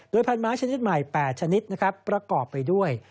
โดยพันธุ์ไม้ชนิดใหม่๘ชนิดประกอบไปด้วย